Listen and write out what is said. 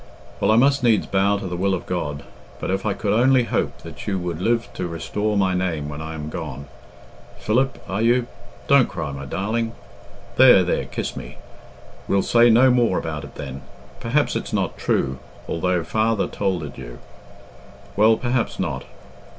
Well, I must needs bow to the will of God, but if I could only hope that you would live to restore my name when I am gone.... Philip, are you don't cry, my darling. There, there, kiss me. We'll say no more about it then. Perhaps it's not true, although father tolded you? Well, perhaps not.